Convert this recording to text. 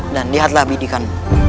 dan lihatlah bidikan